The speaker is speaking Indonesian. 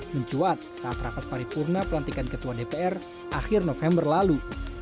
mencuat saat rapat paripurna pelantikan ketua dpr akhir november lalu